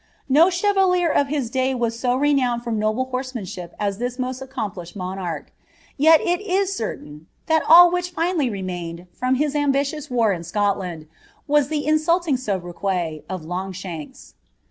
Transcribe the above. "* No eheratier of his day was so renowned for noble hoTsemanship as this most accomplished monarch. Yel it is certain, that b1! which finally ntnain^d, from his ambiiious war in Scotland, was the insulting tobriquet of Lmfishanks.